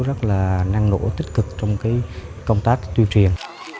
rất là năng lỗ tích cực trong công tác tuyên truyền